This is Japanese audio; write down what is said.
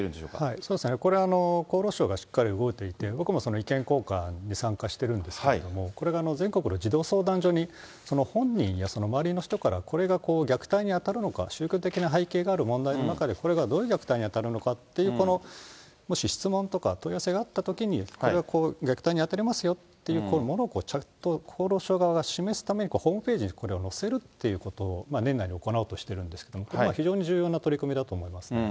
そうですね、これは厚労省がしっかり動いていって、僕もその意見交換に参加しているんですけれども、これが全国の児童相談所に、本人やその周りの人から、これが虐待に当たるのか、宗教的な背景がある問題の中で、これがどういう虐待に当たるのかっていう、もし質問とか問い合わせがあったときに、これは虐待に当たりますよというものをちゃんと厚労省側に示すためにホームページにこれを載せるということを年内に行おうとしているんですけれども、これは非常に重要な取り組みだと思いますね。